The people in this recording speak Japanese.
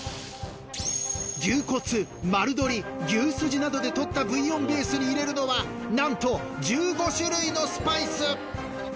牛骨丸鶏牛すじなどでとったブイヨンベースに入れるのはなんと１５種類のスパイス。